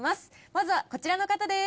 まずはこちらの方です。